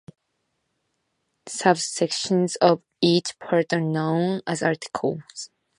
Subsections of each part are known as articles.